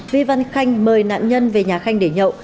vi văn khanh mời nạn nhân về nhà khanh để nhậu